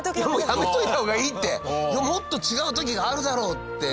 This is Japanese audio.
やめといた方がいいってもっと違う時があるだろって。